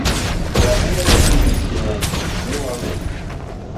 Wa nyɛɛ li pityene li wamɛn.